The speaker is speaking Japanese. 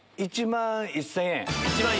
１万１０００円。